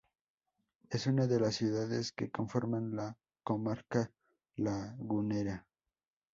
Es una de las ciudades que conforman la Comarca Lagunera.